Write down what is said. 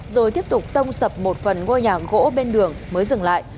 rồi tiếp tục tông sập một phần ngôi nhà gỗ bên đường mới dừng lại